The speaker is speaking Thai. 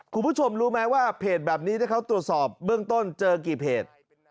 คุณผู้ชมรู้ไหมว่าเพจแบบนี้ถ้าเขาตรวจสอบเบื้องต้นเจอกี่เพจ